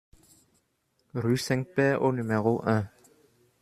Rue Cinq-Pères au numéro un